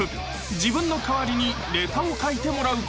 ［自分の代わりにネタを書いてもらうことに］